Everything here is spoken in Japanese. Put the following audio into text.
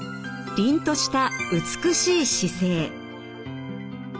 りんとした美しい姿勢。